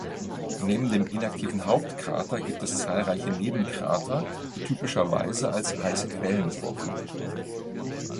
Neben dem inaktiven Hauptkrater gibt es zahlreiche Nebenkrater, die typischerweise als heiße Quellen vorkommen.